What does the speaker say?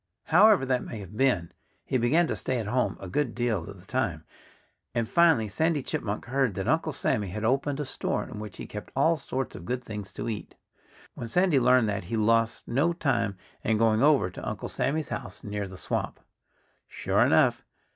However that may have been, he began to stay at home a good deal of the time. And finally Sandy Chipmunk heard that Uncle Sammy had opened a store, in which he kept all sorts of good things to eat. When Sandy learned that he lost no time in going over to Uncle Sammy's house near the swamp. Sure enough!